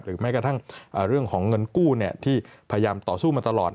แม้กระทั่งเรื่องของเงินกู้ที่พยายามต่อสู้มาตลอด